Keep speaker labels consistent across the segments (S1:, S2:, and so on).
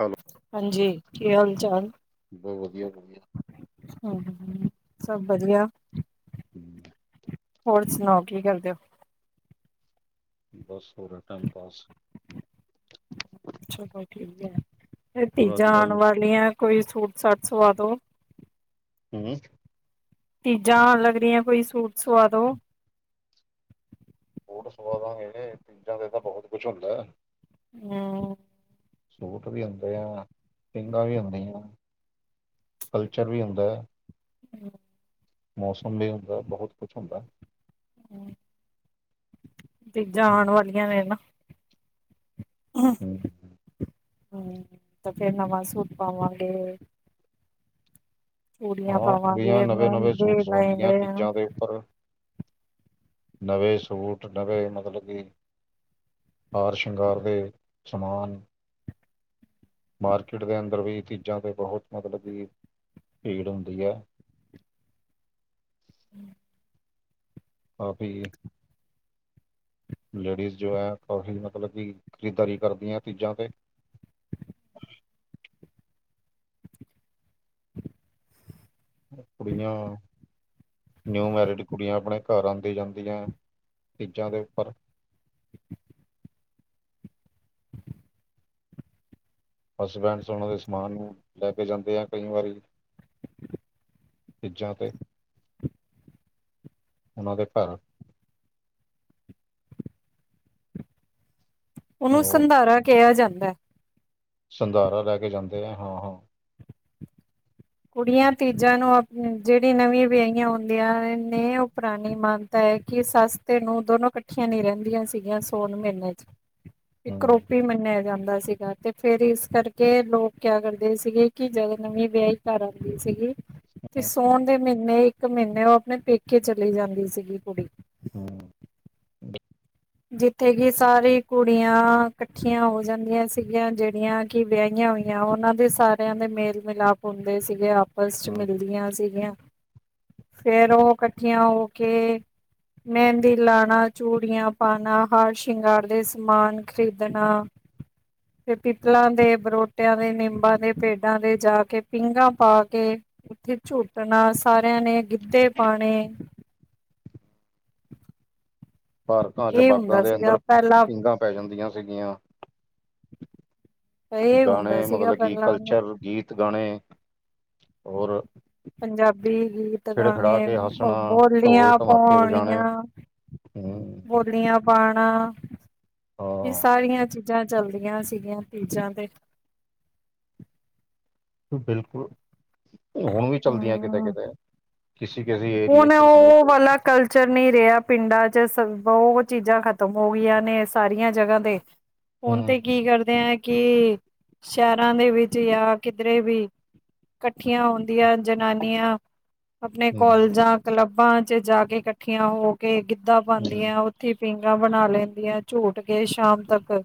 S1: Hello
S2: ਹਾਂਜੀ, ਕੀ ਹਾਲ-ਚਾਲ।
S1: ਬਸ, ਵਧੀਆ-ਵਧੀਆ।
S2: ਸਭ ਵਧੀਆ।
S1: [inaudible]
S2: ਹੋਰ ਸੁਨਾਓ, ਕੀ ਕਰਦੇ?
S1: ਬਸ, ਹੋ ਰੇਆ ਟਾਈਮ ਪਾਸ।
S2: ਅੱਛਾ, ਠੀਕ ਆ
S1: ਹੋਰ ਅੱਜ
S2: ਤੀਜਾਂ ਆਣ
S1: ਕੱਲ
S2: ਵਾਲੀਆਂ ਕੋਈ ਸੂਟ-ਸਾਟ ਸਵਾ ਦੋ।
S1: [unintelligible]
S2: ਤੀਜਾਂ ਆਨ ਲੱਗ ਰਿਆਂ, ਕੋਈ ਸੂਟ ਸਵਾ ਦੋ।
S1: ਸੂਟ ਸਵਾਦਾਂਗੇ, ਤੀਜਾਂ ਤੇ ਤਾਂ ਬਹੋਤ ਕੁਝ ਹੁੰਦਾ।
S2: ਹੁੰ।
S1: ਸੂਟ ਵੀ ਹੁੰਦੇ ਆ, ਪਿੰਗਾਂ ਵੀ ਹੁੰਦੀਆਂ, ਕਲਚਰ ਵੀ ਹੁੰਦਾ।
S2: [inaudible]
S1: ਮੌਸਮ ਵੀ ਹੁੰਦਾ, ਬਹੁਤ ਕੁਛ ਹੁੰਦਾ।
S2: [inaudible] ਚੀਜ਼ਾਂ ਆਉਣ
S1: ਹੂੰ।
S2: ਵਾਲੀਆਂ ਨੇ ਨਾ। ਹਮ ਤੇ ਫੇਰ ਨਵਾਂ ਸੂਟ ਪਾਵਾਂਗੇ। ਚੂੜੀਆਂ
S1: ਹਾਂ ਕੁੜੀਆਂ
S2: ਪਾਵਾਂਗੇ
S1: ਨਵੇਂ-ਨਵੇਂ ਸੂਟ
S2: ਮਹਿੰਗੇ
S1: ਸਵਾਉਂਦੀਆਂ
S2: ਲਹਿੰਗੇ
S1: ਚੀਜ਼ਾਂ ਦੇ ਉੱਪਰ। ਨਵੇਂ ਸੂਟ ਨਵੇ ਮਤਲਬ ਕੀ ਹਾਰ-ਸ਼ੰਗਾਰ ਦੇ ਸਮਾਨ। ਮਾਰਕੀਟ ਦੇ ਅੰਦਰ ਵੀ ਚੀਜ਼ਾਂ ਤੇ ਬਹੁਤ ਮਤਲਬ ਕਿ ਭੀੜ ਹੁੰਦੀ ਹੈ
S2: [unintelligible]
S1: ਕਾਫੀ ਲੇਡੀਜ਼ ਜੋ ਹੈ ਕਾਫੀ ਮਤਲਬ ਕਿ ਖਰੀਦਦਾਰੀ ਕਰਦੀਆਂ ਚੀਜ਼ਾਂ ਤੇ ਕੁੜੀਆਂ ਨਿਊ ਮੈਰਿਡ ਕੁੜੀਆਂ ਆਪਣੇ ਘਰ ਆਉਂਦੀ ਜਾਂਦੀਆਂ ਚੀਜ਼ਾਂ ਦੇ ਉੱਪਰ ਹਸਬੈਂਡਸ ਉਹਨਾਂ ਦੇ ਸਮਾਨ ਨੂੰ ਲੈ ਕੇ ਜਾਂਦੇ ਆ ਕਈ ਵਾਰੀ ਚੀਜ਼ਾਂ ਤੇ ਉਹਨਾਂ ਦੇ ਘਰ
S2: ਉਹਨੂੰ
S1: ਹੋਰ
S2: ਸੰਧਾਰਾ ਕਿਹਾ ਜਾਂਦੈ
S1: ਸੰਧਾਰਾ ਲੈ ਕੇ ਜਾਂਦੇ ਹੈ ਹਾਂ- ਹਾਂ
S2: ਕੁੜੀਆਂ ਤੀਜਾਂ ਨੂੰ ਅਪਨ ਜਿਹੜੀ ਨਵੀਂ ਵਿਆਹੀਆਂ ਹੁੰਦੀਆਂ ਅਮ ਨੇ ਉਹ ਪੁਰਾਣੀ ਮ ਨਤੈ ਹੈ ਕਿ ਸਸ ਤੇ ਨੂੰ ਦੋਨੋ ਇਕੱਠੀਆਂ ਨੀ ਰਹਿੰਦੀਆਂ ਸੀਗੀਆਂ ਸੋਨ ਮਹੀਨੇ ਚ
S1: ਹੂੰ
S2: ਇੱਕਰੋਪੀ ਮੰਨਿਆ ਜਾਂਦਾ ਸੀਗਾ ਤੇ ਫਿਰ ਇਸ ਕਰਕੇ ਲੋਕ ਕਿਆ ਕਰਦੇ ਸੀਗੇ ਕਿ ਜਦੋਂ ਨਵੀਂ ਵਿਆਹੀ ਕਰ ਆਉਂਦੀ ਸੀਗੀ ਤੇ ਸੋਣ ਦੇ ਮਹੀਨੇ ਇੱਕ ਮਹੀਨੇ ਉਹ ਆਪਣੇ ਪੇਕੇ ਚਲੀ ਜਾਂਦੀ ਸੀਗੀ ਕੁੜੀ
S1: ਹਮ
S2: ਜਿੱਥੇ ਕਿ ਸਾਰੀ ਕੁੜੀਆਂ ਇਕੱਠੀਆਂ ਹੋ ਜਾਂਦੀਆਂ ਸੀਗੀਆਂ ਜਿਹੜੀਆਂ ਕਿ ਵਿਆਹੀਆਂ ਹੋਈਆਂ ਉਹਨਾਂ ਦੇ ਸਾਰਿਆਂ ਦੇ ਮੇਲ ਮਿਲਾਪ ਹੁੰਦੇ ਸੀਗੇ ਆਪਸ ਚ
S1: ਹੂੰ।
S2: ਮਿਲਦੀਆਂ ਸੀਗੀਆਂ ਫੇਰ ਉਹ ਇਕੱਠੀਆਂ ਹੋ ਕੇ ਮਹਿੰਦੀ ਲਾਉਣਾ ਚੂੜੀਆਂ ਪਾਉਣਾ ਹਰ ਸ਼ਿੰਗਾਰ ਦੇ ਸਮਾਨ ਖ਼ਰੀਦਣਾ ਤੇ ਪਿੱਤਲਾਂ ਦੇ ਬਰੋ ਟਿਆਂ ਦੇ ਨਿੰਬਾਂ ਦੇ ਪੇਡਾਂ ਦੇ ਜਾ ਕੇ ਪੀਂਘਾਂ ਪਾ ਕੇ ਉੱਥੇ ਝੂਟਣਾ ਸਾਰਿਆਂ ਨੇ ਗਿੱਧੇ ਪਾਣੇ [inaudible]
S1: ਪਾਰਕਾਂ ਚ
S2: ਇਹ
S1: ਬਾਗਾਂ
S2: ਹੁੰਦਾ
S1: ਦੇ
S2: ਸੀਗਾ
S1: ਅੰਦਰ
S2: ਪਹਿਲਾਂ
S1: ਪੀਂਘਾਂ ਪੈ ਜਾਂਦੀਆਂ ਸੀਗੀਆਂ
S2: ਇਹ ਹੁੰਦਾ
S1: ਗਾਣੇ
S2: ਸੀਗਾ
S1: ਮਤਲਬ ਕਿ
S2: ਪਹਿਲਾਂ
S1: ਕਲਚਰ ਗੀਤ ਗਾਣੇ ਹੋਰ
S2: ਪੰਜਾਬੀ ਗੀਤ
S1: ਖਿੜ
S2: ਗਾਣੇ
S1: ਖਿੜਾ ਕੇ ਹੱਸਣਾ
S2: ਬੋਲੀਆਂ
S1: ਢੋਲ ਢਮਾਕੇ ਵਜਾਣੇ
S2: ਪਾਉਣੀਆਂ
S1: ਹੂੰ
S2: ਬ ਕਲੀਆਂ ਪਾਣਾ ਇਹ
S1: ਹਾਂ
S2: ਸਾਰੀਆਂ ਚੀਜ਼ਾਂ ਚੱਲਦੀਆਂ ਸੀਗੀਆਂ ਤਿਜਾਂ ਤੇ
S1: ਬਿਲਕੁਲ ਹੁਣ ਵੀ ਚੱਲਦੀਆਂ ਕਿਤੇ-
S2: ਹਮ
S1: ਕਿਤੇ ਕਿਸੇ- ਕਿਸੇ ਏਰੀਏ ਚ ਹੁਣ ਵੀ ਚੱਲਦੀਆਂ
S2: ਉੱਚਰ ਨਹੀਂ ਰਿਹਾ ਪਿੰਡਾਂ ਚ ਸ ਬਹੁਤ ਚੀਜ਼ਾਂ ਖਤਮ ਹੋ ਗਈਆਂ ਨੇ ਸਾਰੀਆਂ ਜਗ੍ਹਾ ਤੇ ਹੁਣ ਤੇ
S1: ਹੂੰ
S2: ਕੀ ਕਰਦੇ ਆ ਕਿ ਸ਼ਹਿਰਾਂ ਦੇ ਵਿੱਚ ਜਾਂ ਕਿਧਰੇ ਵੀ ਕੱਠੀਆਂ ਹੋ ਦੀਆਂ ਜਨਾਨੀਆਂ ਆਪਣੇ
S1: ਹੂੰ
S2: ਕੋਲਜਾਂ ਕਲੱਬਾਂ ਚ ਜਾ ਕੇ ਪੱਠੀਆਂ ਹੋ ਕੇ ਗਿੱਧਾ ਪਾਉਂਦੀਆਂ
S1: ਹੂੰ
S2: ਉੱਥੇ ਪੀਂਘਾਂ ਬਣਾ ਲੈਂਦੀਆਂ ਝੂਟ ਕੇ ਸ਼ਾਮ ਤੱਕ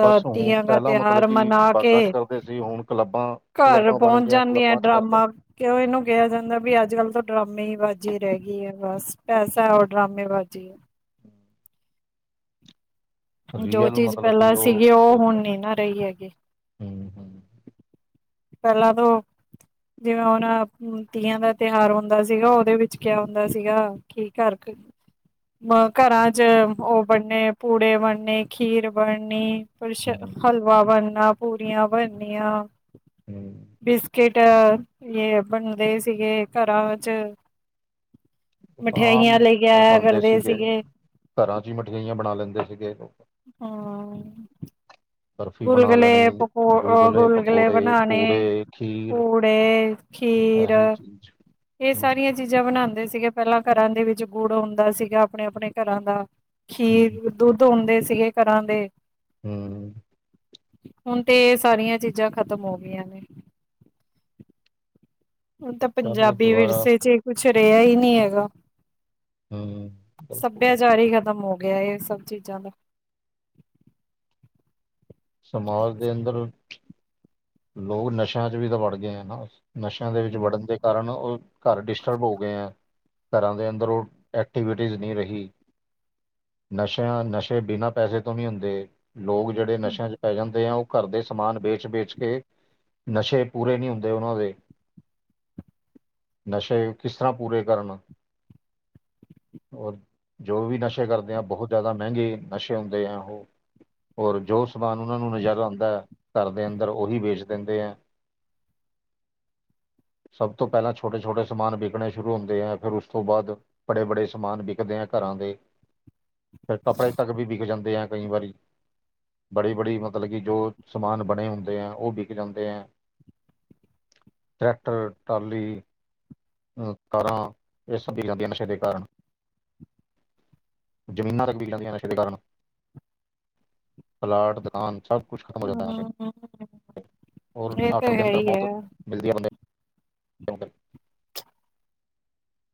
S1: ਬਸ ਹੁਣ
S2: ਤੀਆਂ ਦਾ
S1: ਪਹਿਲਾਂ ਮਤਲਬ
S2: ਤਿਉਹਾਰ
S1: ਕਿ
S2: ਮਨਾ
S1: ਬਾਗਾਂ ਚ
S2: ਕੇ
S1: ਕਰਦੇ ਸੀ ਹੁਣ ਕਲੱਬਾਂ
S2: ਘਰ
S1: ਕਲੱਬਾਂ ਬਣ
S2: ਪਹੁੰਚ
S1: ਗਈਆਂ
S2: ਜਾਂਦੀਆਂ
S1: ਕਲੱਬਾਂ ਚ ਕਰਦੇ ਨੇ
S2: ਡਰਾਮਾ ਕਿਉਂ ਇਹਨੂੰ ਕਿਹਾ ਜਾਂਦਾ ਵੀ ਅੱਜ ਕੱਲ੍ਹ ਤਾਂ ਡਰਾਮੇ ਬਾਜ਼ੀ ਰਹਿ ਗਈ ਹੈ ਬਸ ਪੈਸਾ ਉਰ ਡਰਾਮੇਬਾਜ਼ੀ
S1: [unintelligible]
S2: ਜੋ
S1: ਰੀਅਲ
S2: ਚੀਜ਼
S1: ਮਤਲਬ ਕਿ
S2: ਪਹਿਲਾਂ ਸੀਗੀ, ਉਹ
S1: ਰਹੀ
S2: ਹੁਣ
S1: ਹੂੰ
S2: ਨਹੀਂ ਨਾ ਰਹੀ ਹੈਗੀ।
S1: ਹੂੰ
S2: ਪਹਿਲਾਂ ਤੋਂ ਜਿਵੇਂ ਉਹਣ ਤੀਆਂ ਦਾ ਤਿਉਹਾਰ ਹੁੰਦਾ ਸੀਗਾ, ਉਹਦੇ ਵਿੱਚ ਕਿਆ ਹੁੰਦਾ ਸੀਗਾ। ਕੀ ਕਰਕੇ, ਮ ਘਰਾਂ 'ਚ ਉਹ ਬੰਨੇ ਪੂੜੇ ਬ ਨੇ, ਖੀਰ ਬਣਨੀ, ਪਰਸ਼
S1: ਹੂੰ
S2: ਹਲਵਾ ਬਣਨਾ, ਪੂਰੀਆਂ ਬਣਨੀਆਂ
S1: ਹੂੰ
S2: ਬਿਸਕਿਟ, ਇਹ ਬਣਦੇ ਸੀਗੇ ਘਰਾਂ ਵਿੱਚ
S1: ਉਹ ਤਾਂ ਆਮ
S2: ਮਠਿਆਈਆਂ ਲੈ ਕੇ
S1: ਉਹ
S2: ਆਇਆ
S1: ਬਣਦੇ
S2: ਕਰਦੇ ਸੀਗੇ।
S1: ਘਰਾਂ 'ਚ ਹੀ, ਮਠਿਆਈਆਂ ਬਣਾ ਲੈਂਦੇ ਸੀਗੇ।
S2: ਹਾਂ।
S1: ਬਰਫ਼ੀ ਬਣਾ ਲੈਣੀ,
S2: ਪਕੋ
S1: ਗੁਲਗੁਲੇ, ਪਕੌੜੇ,
S2: ਬਣਾਣੇ
S1: ਪੂੜੇ, ਖੀਰ
S2: ਪੂੜੇ ਖੀਰ
S1: ਐਸੀ ਚੀਜ਼
S2: ਇਹ
S1: ਹੂੰ
S2: ਸਾਰੀਆਂ ਚੀਜ਼ਾਂ ਬਣਾਦੇ ਸੀਗੇ ਪਹਿਲਾਂ ਘਰਾਂ ਦੇ ਵਿੱਚ, ਗੁੜ ਹੁੰਦਾ ਸੀਗਾ ਆਪਣੇ-ਆਪਣੇ ਘਰਾਂ ਦਾ।
S1: ਹੂੰ
S2: ਖੀਰ, ਦੁੱਧ ਹੁੰਦੇ ਸੀਗੇ ਘਰਾਂ ਦੇ।
S1: ਹੂੰ।
S2: ਹੁਣ 'ਤੇ ਸਾਰੀਆਂ ਚੀਜ਼ਾਂ ਖਤਮ ਹੋ ਗਈਆਂ ਨੇ। ਹੁਣ ਤਾਂ,
S1: ਚਲੋ
S2: ਪੰਜਾਬੀ
S1: ਦੁਬਾਰਾ
S2: ਵਿਰਸੇ 'ਚ ਈ ਕੁਛ ਰਿਹਾ ਈ ਨੀ ਹੈਗਾ।
S1: ਹੂੰ ਬਿਲਕੁਲ
S2: ਸੱਭਿਆਚਾਰ ਈ ਖਤਮ ਹੋ ਗਿਆ, ਇਹ ਸਭ ਚੀਜ਼ਾਂ ਦਾ।
S1: ਸਮਾਜ ਦੇ ਅੰਦਰ, ਲੋਕ ਨਸ਼ਿਆਂ 'ਚ ਵੀ ਤਾਂ ਵੜ ਗਏ ਆ ਨਾ। ਨਸ਼ਿਆਂ ਦੇ ਵਿੱਚ ਵੜਨ
S2: ਹਮ
S1: ਦੇ ਕਾਰਨ, ਉਹ ਘਰ ਡਿਸਟਰਬ ਹੋ ਗੇ ਐ। ਘਰਾਂ ਦੇ ਅੰਦਰ, ਉਹ ਐਕਟੀਵਿਟੀਜ਼ ਨੀ ਰਹੀ। ਨਸ਼ਿਆਂ, ਨਸ਼ੇ ਬਿਨਾਂ ਪੈਸੇ ਤੋਂ ਨੀ ਹੁੰਦੇ। ਲੋਕ ਜਿਹੜੇ ਨਸ਼ਿਆਂ 'ਚ ਪੈ ਜਾਂਦੇ ਆ, ਉਹ ਘਰ ਦੇ ਸਮਾਨ ਵੇਚ-ਵੇਚ ਕੇ, ਨਸ਼ੇ ਪੂਰੇ ਨੀ ਹੁੰਦੇ ਉਹਨਾਂ ਦੇ। ਨਸ਼ੇ ਕਿਸ ਤਰ੍ਹਾਂ ਪੂਰੇ ਕਰਨ ੳ। ਔਰ ਜੋ ਵੀ ਨਸ਼ੇ ਕਰਦੇ ਆ, ਬਹੁਤ ਜ਼ਿਆਦਾ ਮਹਿੰਗੇ ਨਸ਼ੇ ਹੁੰਦੇ ਆ ਉਹ। ਹੋਰ ਜੋ ਸਮਾਨ ਉਹਨਾ ਨੂੰ ਨਜ਼ਰ ਆਂਦਾ ਐ ਘਰਦੇ, ਅੰ ਫੇਰ ਉਹੀ ਵੇਚ ਦਿੰਦੇ ਐ। ਸਭ ਤੋਂ ਪਹਿਲਾਂ, ਛੋਟੇ-ਛੋਟੇ ਸਮਾਨ ਵਿਕਣੇ ਸ਼ੁਰੂ ਹੁੰਦੇ ਐ। ਫਿਰ ਉਸ ਤੋਂ ਬਾਅਦ ਬੜੇ-ਬੜੇ ਸਮਾਨ, ਵਿਕਦੇ ਐ ਘਰਾਂ ਦੇ। ਫਿਰ ਕੱਪੜੇ ਤੱਕ ਵੀ ਵਿਕ ਜਾਂਦੇ ਐ, ਕਈ ਵਾਰੀ। ਬੜੀ-ਬੜੀ ਮਤਲਬ, ਕਿ ਜੋ ਸਮਾਨ ਬਣੇ ਹੁੰਦੇ ਆ ਉਹ ਵਿਕ ਜਾਂਦੇ ਐ। ਟਰੈਕਟਰ, ਟਰਾਲੀ ਹੂੰ ਕਾਰਾਂ, ਇਹ ਸਭ ਵਿੱਕ ਜਾਂਦੀਆਂ ਨਸ਼ੇ ਦੇ ਕਾਰਨ। ਜ਼ਮੀਨਾਂ ਤੱਕ ਵਿਕ ਜਾਂਦੀਆਂ, ਨਸ਼ੇ ਦੇ ਕਾਰਨ। ਪਲਾਟ, ਦੁਕਾਨ ਸਭ ਕੁਛ ਖਤਮ ਹੋ ਜਾਂਦਾ ਨਸ਼ੇ
S2: [inaudible]
S1: ਹੋਰ
S2: ਇਹ ਤਾਂ
S1: ਆਖਰ ਦੇ
S2: ਹੈ
S1: ਅੰਦਰ,
S2: ਹੀ
S1: ਮੋਤ
S2: ਹੈ
S1: ਮਿਲਦੀ ਆ ਬੰਦੇ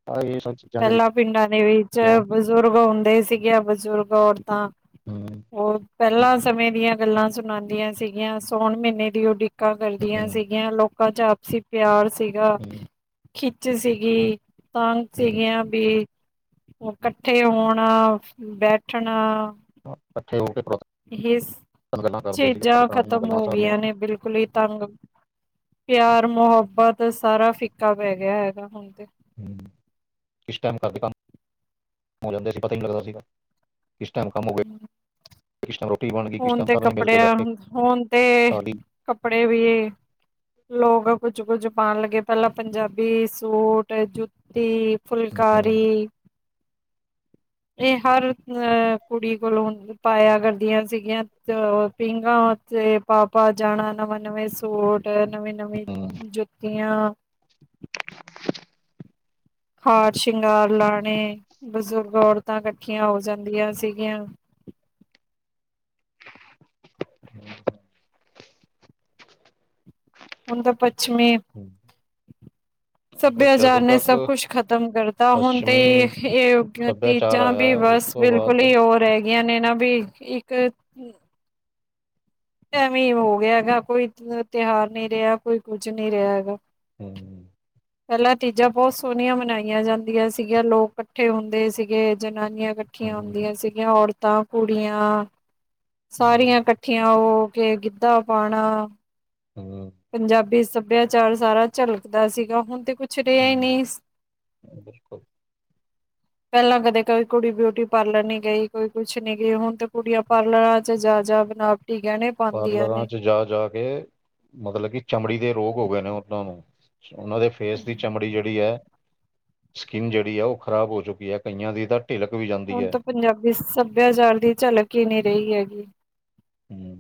S1: ਹਾਂ, ਇਹ ਸਭ ਚੀਜ਼ਾਂ
S2: ਪਹਿਲਾਂ ਪਿੰਡਾਂ ਦੇ ਵਿੱਚ,
S1: ਜਿਹੜੀਆਂ
S2: ਬਜ਼ੁਰਗ ਹੁੰਦੇ ਸੀਗੇ ਆ। ਬਜ਼ੁਰਗ ਔਰਤਾਂ,
S1: ਹੂੰ
S2: ਉਹ ਪਹਿਲਾਂ ਸਮੇਂ ਦੀਆਂ ਗੱਲਾਂ ਸੁਣਾਂਦੀਆਂ ਸੀਗੀਆਂ। ਸੋਣ ਮ੍ਹੀਨੇ ਦੀ ਉਡੀ ਕਾ
S1: ਹੂੰ
S2: ਕਰਦੀਆਂ ਸੀਗੀਆਂ। ਲੋਕਾਂ 'ਚ ਆਪਸੀ ਪਿਆਰ ਸੀਗਾ
S1: ਹੂੰ
S2: ਖਿੱਚ ਸੀਗੀ, ਤਾਂਗ
S1: ਹੂੰ
S2: ਸੀਗੀਆਂ ਵੀ, ਕੱਠੇ ਹੋਣਾ, ਬੈਠਣਾ।
S1: ਕੱਠੇ ਹੋ ਕੇ ਪੁਰਾਤਨ
S2: ਹਿਸ,
S1: ਗੱਲਾਂ ਕਰਦੇ ਸੀਗੇ ਪਰ
S2: ਚੀਜ਼ਾਂ
S1: ਪੁਰਾਣੀਆਂ
S2: ਖਤਮ
S1: ਗੱਲਾਂ
S2: ਹੋ
S1: ਸਾਰੀਆਂ
S2: ਗਈਆਂ ਨੇ ਬਿਲਕੁਲ ਈ ਤੰਗ ਪਿਆਰ, ਮੁਹੱਬਤ ਸਾਰਾ ਫਿੱਕਾ ਪੈ ਗਿਆ ਹੈਗਾ ਹੁਣ ਤੇ।
S1: ਹੂੰ, ਇਸ ਟਾਈਮ ਘਰਦੇ ਕੰਮ, ਹੋ ਜਾਂਦੇ ਸੀ ਪਤਾ ਨੀ ਲੱਗਦਾ ਸੀਗਾ। ਕਿਸ ਟਾਈਮ ਕੰਮ ਹੋਗੇ। ਕਿਸ ਟਾਇਮ ਰੋਟੀ ਬਣਗੀ, ਕਿਸ
S2: ਹੁਣ
S1: ਟਾਇਮ
S2: ਤੇ
S1: ਸਭ ਨੇ ਮਿਲ ਕੇ
S2: ਕੱਪੜਿਆਂ
S1: ਬੈਠੇ
S2: ਹੁਣ ਤੇ
S1: ਕੇ ਖਾਲੀ।
S2: ਕੱਪੜੇ ਵੀ ਏ ਲੋਕ ਕੁੱਝ, ਕੁੱਝ ਪਾਣ ਲੱਗੇ, ਪਹਿਲਾਂ ਪੰਜਾਬੀ ਸੂਟ, ਜੁੱਤੀ
S1: ਹਮ,
S2: ਫੁਲਕਾਰੀ। ਇਹ ਹਰ ਅਹ ਕੁੜੀ ਕੋਲੋਂ ਪਾਇਆ ਕਰਦੀਆਂ ਸੀਗੀਆਂ, ਉਹ ਪੀਂਘਾਂ 'ਤੇ ਪਾ, ਪਾ ਜਾਣਾ ਨਵਾਂ ਨਵੇਂ ਸੂਟ ਨਵੀਂ-ਨਵੀਂ
S1: ਹਮ,
S2: ਜੁੱਤੀਆਂ। ਹਾਰ ਸ਼ਿੰਗਾਰ ਲਾਣੇ, ਬਜ਼ੁਰਗ ਔਰਤਾਂ ਕੱਠੀਆਂ ਹੋ ਜਾਂਦੀਆਂ ਸੀਗੀਆਂ।
S1: ਹੂ
S2: ਹੁਣ ਤਾਂ ਪੱਛਮੀ
S1: ਹਮ। ਬਸ
S2: ਸੱਭਿਆਚਾਰ
S1: ਜਦੋਂ
S2: ਨੇ
S1: ਤੱਕ
S2: ਸਭ ਕੁਛ ਖਤਮ ਕਰਤਾ, ਹੁਣ ਤੇ
S1: ਪੱਛਮੀ
S2: ਇਹ ਇਹ
S1: ਸੱਭਿਆਚਾਰ
S2: ਤੀਜਾਂ ਵੀ
S1: ਆਇਆ ਉਸ
S2: ਬਸ
S1: ਤੋਂ ਬਾਅਦ
S2: ਬਿਲਕੁਲ ਹੀ ਹੋਰ ਰਹਿਗੀਆਂ ਨੇ ਨਾ ਵੀ, ਇੱਕ ਐਵੇਂ ਹੋ ਗਿਆ ਹੈਗਾ ਦਾ, ਕੋਈ ਤਿਉਹਾਰ ਨਹੀਂ ਰਿਹਾ, ਕੋਈ ਕੁੱਝ ਨਹੀਂ ਰਿਹਾ ਹੈਗਾ। [unintelligible]
S1: ਹਮ।
S2: ਪਹਿਲਾਂ ਚੀਜ਼ਾਂ ਬਹੁਤ ਸੋਹਣੀਆਂ ਮਨਾਈਆਂ ਜਾਂਦੀਆਂ ਸੀਗੀਆਂ, ਲੋਕ ਇਕੱਠੇ ਹੁੰਦੇ ਸੀਗੇ, ਜਨਾਨੀਆਂ ਇਕ ਠੀਆਂ
S1: ਹਮ,
S2: ਹੁੰਦੀਆਂ
S1: ਹਮ,
S2: ਸੀਗੀਆਂ। ਔਰਤਾਂ, ਕੁੜੀਆਂ ਸਾਰੀਆਂ
S1: ਬਿਲਕੁਲ
S2: ਇਕੱਠੀਆਂ ਹੋ ਕੇ ਗਿੱਧਾ ਪਾਣਾ।
S1: ਹਮ।
S2: ਪੰਜਾਬੀ ਸੱਭਿਆਚਾਰ ਸਾਰਾ ਝਲਕਦਾ ਸੀਗਾ, ਹੁਣ ਤੇ ਕੁਛ ਕੁੱਛ ਰਿਆ
S1: ਹਮ,
S2: ਨੀ।
S1: ਬਿਲਕੁਲ
S2: ਪਹਿਲਾਂ ਕਦੇ ਕੋਈ ਕੁੜੀ ਬਿਊਟੀ ਪਾਰਲਰ ਨੀ ਗਈ, ਕੋਈ ਕੁਛ ਨੀ ਗਈ, ਹੁਣ ਤੇ ਕੁੜੀਆਂ ਪਾਰਲਰਾਂ ਚ ਜਾ- ਜਾ ਬਣਾ ਓਟੀ ਗਹਿਣੇ ਪਾਉਂਦੀਆਂ
S1: ਪਾਰਲਰਾਂ
S2: ਨੇ
S1: ਚ ਜਾ, ਜਾ ਕੇ ਮਤਲਬ ਕਿ ਚਮੜੀ ਦੇ ਰੋਗ ਹੋ ਗਏ ਨੇ ਉਹਨਾਂ ਨੂੰ। ਉਹਨਾਂ ਦੇ ਫੇਸ ਦੀ ਚਮੜੀ ਜਿਹੜੀ ਆ ਸਕਿੰਨ ਜਿਹੜੀ ਆ ਉਹ ਖਰਾਬ ਹੋ ਚੁੱਕੀ ਆ, ਕਈਆਂ ਦੀ ਤਾਂ। ਢਿਲਕ ਵੀ ਜਾਂਦਾ।
S2: ਹੁਣ ਤਾਂ ਪੰਜਾਬੀ ਸੱਭਿਆਚਾਰ ਦੀ ਝਲਕ ਹੀ ਨਹੀਂ ਰਹੀ ਹੈਗੀ।
S1: ਹਮ।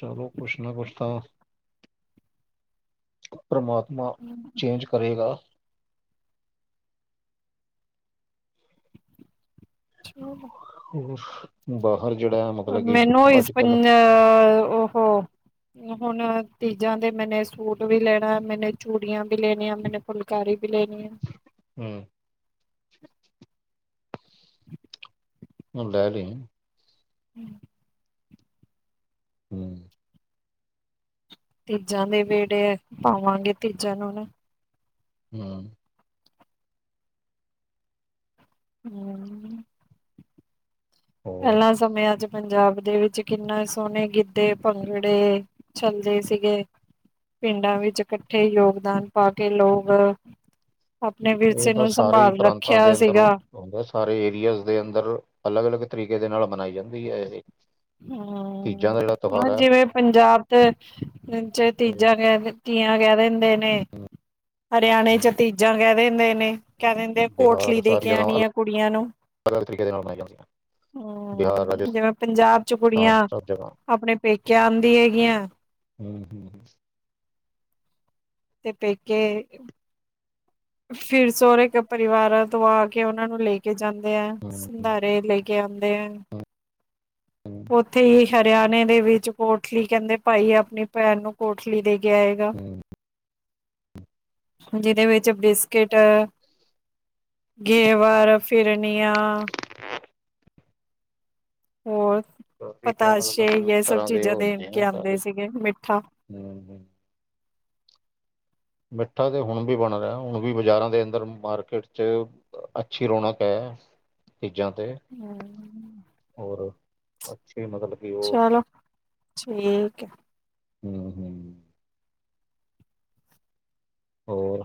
S1: ਚਲੋ ਕੁਛ ਨਾ ਕੁਛ ਤਾਂ ਪਰਮਾਤਮਾ ਚੇਂਜ ਕਰੇਗਾ।
S2: ਹਮ।
S1: ਹੋਰ ਬਾ ਹਰ ਜਿਹੜਾ ਮਤਲਬ ਕਿ
S2: ਮੈਨੂੰ ਇਸ
S1: ਅੱਜ ਕੱਲ
S2: ਪੰਜਾ ਉਹ ਹੁਣ ਤੀਜਾਂ ਦੇ ਮੈਨੇ ਸੂਟ ਵੀ ਲੈਣਾ, ਮੈਨੇ ਚੂੜੀਆਂ ਵੀ ਲੈਣੀਆਂ, ਮੈਨੇ ਫੁਲਕਾਰੀ ਵੀ ਲੈਣੀ ਏ।
S1: ਹਮ। ਹੁੰਦਾ ਹ ਲੈ
S2: ਹਮ।
S1: ਹਮ।
S2: ਤੀਜਾਂ ਦੇ ਵੇੜੇ ਐ, ਪਾਵਾਂਗੇ ਤੀਜਾਂ ਨੂੰ ਹੁਣ।
S1: ਹਮ।
S2: ਹਮ
S1: ਹੋਰ
S2: ਪੈਲਾ ਸਮਿਆਂ ਚ ਪੰਜਾਬ ਦੇ ਵਿੱਚ ਕਿੰਨਾ ਸੋਹਣੇ ਗਿੱਧੇ, ਭੰਗੜੇ ਚੱਲਦੇ ਸੀਗੇ। ਪਿੰਡਾਂ ਵਿੱਚ ਇਕੱਠੇ ਯੋਗਦਾਨ ਪਾ ਕੇ ਲੋਕ ਆਪਣੇ ਵਿਰਸੇ
S1: ਇਹ ਤਾਂ
S2: ਨੂੰ
S1: ਸਾਰੇ ਹੀ
S2: ਸੰਭਾਲ
S1: ਪ੍ਰਾਂਤਾਂ
S2: ਰੱਖਿਆ
S1: ਦੇ ਅੰਦਰ
S2: ਸੀਗਾ।
S1: ਉਹ ਹੁੰਦਾ, ਸਾਰੇ ਏਰੀਆਜ਼ ਦੇ ਅੰਦਰ ਅਲੱਗ -ਅਲੱਗ ਤਰੀਕੇ ਦੇ ਨਾਲ ਮਨਾਈ ਜਾਂਦੀ ਐ ਇਹ ਤੀਜਾਂ ਦਾ
S2: ਹਮ,
S1: ਜਿਹੜਾ
S2: ਹਾ
S1: ਤਿਉਹਾਰ ਹੈ
S2: ਜਿਵੇਂ ਪੰਜਾਬ ਦੇ ਚ ਤੀਜਾ ਕ ਕੀਆਂ ਕਹਿ ਦਿੰਦੇ ਨੇ ਹਰਿਆਣੇ ਚ ਤੀਜਾਂ ਕਹਿ ਦ ਦਿੰਦੇ ਨੇ ਕਹਿ ਦਿੰਦੇ ਆ ਕੋਠਲੀ
S1: ਬਿਹਾਰ
S2: ਦੇ
S1: ਸਾਰੀ
S2: ਕੇ
S1: ਜਗ੍ਹਾ
S2: ਆਣੀ ਐ ਕੁੜੀਆਂ ਨੂੰ
S1: ਅਲੱਗ-ਅਲੱਗ ਤਰੀਕੇ ਦੇ ਨਾਲ ਮਨਾਈ ਜਾਂਦੀ ਹੈ ਬਿਹਾਰ
S2: ਹਮ,
S1: ਰਾਜਸਥਾਨ
S2: ਜਿਵੇਂ ਪੰਜਾਬ ਚ ਕੁੜੀਆਂ
S1: ਸਭ ਜਗ੍ਹਾ
S2: ਆਪਣੇ ਪੇਕੇ ਆਂਦੀ ਹੈਗੀਆਂ।
S1: ਹਮ, ਹਮ
S2: ਤੇ ਪੇਕੇ ਫਿਰ ਸੋਹੁਰ ਪਰਿਵਾਰਾਂ ਤੋਂ ਆ ਕੇ ਉਹਨਾ ਨੂੰ ਲੈ ਕੇ ਜਾਂਦੇ।
S1: ਹੂੰ
S2: ਸੰਧਾਰੇ ਲੈ ਕੇ ਆਉਂਦੇ ਆ।
S1: ਹੂੰ
S2: ਉੱਥੇ ਹੀ ਹਰਿਆਣੇ ਦੇ ਵਿੱਚ ਕੋਠਲੀ ਕਹਿੰਦੇ ਭਾਈ ਆਪਣੀ ਭੈਣ ਨੂੰ ਕੋਠਲੀ ਦੇ ਕੇ ਆਏਗਾ।
S1: ਹਮ
S2: ਜਿਹਦੇ ਵਿੱਚ ਬਿਸਕਿਟ ਗੇਵਾਰ, ਫਿਰਨੀਆਂ ਹੋਰ ਪਤਾਸ਼ੇ
S1: ਅਲੱਗ-ਅਲੱਗ
S2: ਇਹ ਸਭ
S1: ਤਰ੍ਹਾਂ
S2: ਚੀਜ਼ਾਂ ਦੇਣ ਕੇ ਆਂਦੇ ਸੀਗੇ, ਮਿੱਠਾ
S1: ਹਮ, ਹਮ ਮਿੱਠਾ ਤੇ ਹੁਣ ਵੀ ਬਣ ਰਿਹਾ, ਹੁਣ ਵੀ ਬਜ਼ਾਰਾਂ ਦੇ ਅੰਦਰ ਮਾਰਕੀਟ ਚ ਅੱਛੀ ਰੌਣਕ ਐ, ਤੀਜ਼ਾਂ ਤੇ।
S2: ਹਮ
S1: ਹੋਰ, ਅੱਛੇ ਮਤਲਬ ਕਿ ਉਹ
S2: ਚਲੋ ਠੀਕ ਐ।
S1: ਹਮ, ਹਮ ਹੋਰ